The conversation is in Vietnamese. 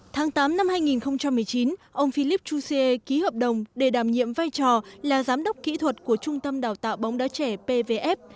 tháng tám năm hai nghìn một mươi chín ông philippe jouzier ký hợp đồng để đảm nhiệm vai trò là giám đốc kỹ thuật của trung tâm đào tạo bóng đá trẻ pvf